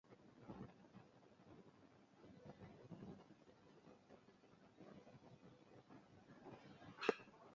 Kose pon gi, iketo gi e kidieny abiriyo kaluwore gi kaka girom.